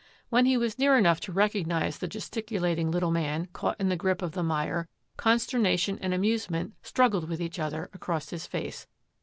When he was near enough to recognise the gesticulating little man caught in the grip of the mire, consternation and amusement struggled with each other across his face.